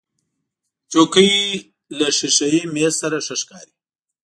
چوکۍ له شیشهيي میز سره ښه ښکاري.